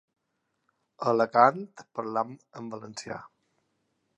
A Alacant, parlem en valencià.